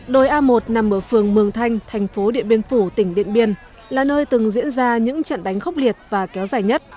đồi a một nằm ở phường mường thanh thành phố điện biên phủ tỉnh điện biên là nơi từng diễn ra những trận đánh khốc liệt và kéo dài nhất